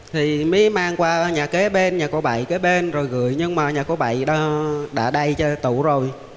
thì mới mang qua nhà kế bên nhà cô bảy kế bên rồi gửi nhưng mà nhà cô bảy đã đầy cho tủ rồi